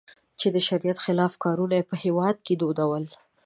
چې د شریعت خلاف کارونه یې په هېواد کې دودول.